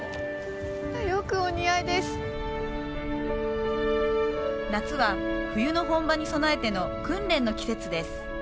よくお似合いです夏は冬の本番に備えての訓練の季節です